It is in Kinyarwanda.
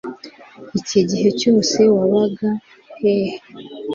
Iki gihe cyose wabaga hehe